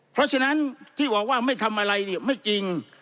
เพราะฉะนั้นที่บอกว่าไม่ทำอะไรเนี่ยไม่จริง